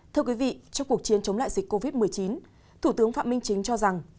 trong cuộc chiến chống lại dịch covid một mươi chín thủ tướng phạm minh chính cho rằng